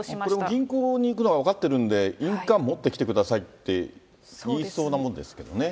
これも銀行に行くのは分かってるんで、印鑑持ってきてくださいって言いそうなものですけどね。